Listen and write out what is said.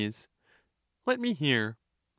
Let me hear. Sir.